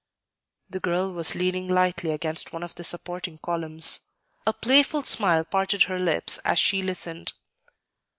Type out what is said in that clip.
The girl was leaning lightly against one of the supporting columns. A playful smile parted her lips as she listened.